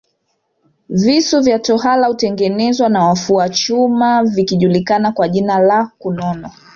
Visu vya tohara hutengenezwa na wafua chuma vikijulikana kwa jina la kunono